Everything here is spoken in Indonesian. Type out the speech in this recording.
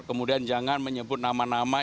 kemudian jangan menyebut nama nama